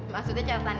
maksudnya catan ini